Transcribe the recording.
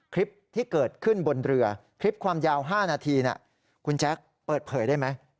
คลิปที่เกิดขึ้นบนเรือคลิปความยาว๕นาทีคุณแจ๊คเปิดเผยได้ไหม